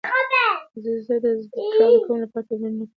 زه د اضطراب د کمولو لپاره تمرینونه کوم.